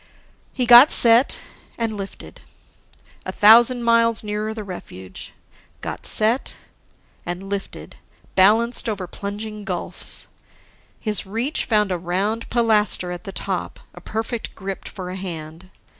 He got set ... and lifted. A thousand miles nearer the refuge! Got set ... and lifted, balanced over plunging gulfs. His reach found a round pilaster at the top, a perfect grip for a hand.